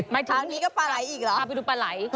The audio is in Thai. ไม่ถึง